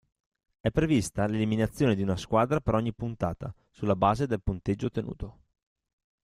È prevista l'eliminazione di una squadra per ogni puntata, sulla base del punteggio ottenuto.